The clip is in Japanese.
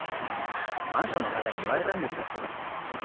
マンションの方に言われたんです